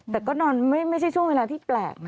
แต่ก็นอนไม่ใช่ช่วงเวลาที่แปลกนะ